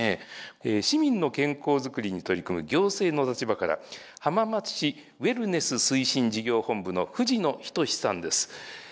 市民の健康作りに取り組む行政の立場から浜松市ウエルネス推進事業本部の藤野仁さんです。